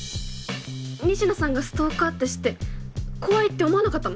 仁科さんがストーカーって知って怖いって思わなかったの？